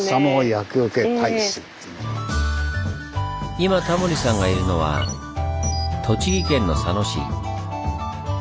今タモリさんがいるのは栃木県の佐野市。